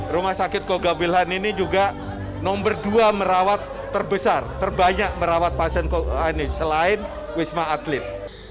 rumah sakit koga wilhan ini juga nomor dua merawat terbesar terbanyak merawat pasien selain wisma atlet